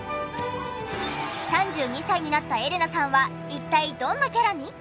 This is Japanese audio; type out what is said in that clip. ３２歳になったエレナさんは一体どんなキャラに！？